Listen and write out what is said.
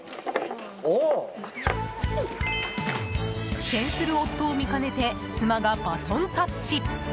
苦戦する夫を見かねて妻がバトンタッチ。